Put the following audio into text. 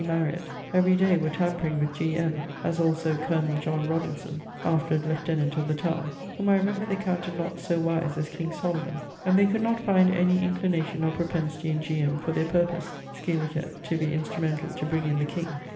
Mariett every day were tampering with G. M., as also col. Robinson (afterward Liewtenant of the Tower: whom I remember they counted not so wise as King Salomon); and they could not find any inclination or propensity in G. M. for their purpose, scil. to be instrumentall to bring in the king.